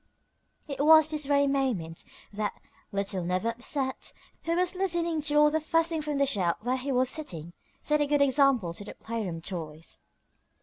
It was this very moment that Little Never upset, who was listening to all the fussing from the shelf where he was sitting, set a good example to the playroom toys.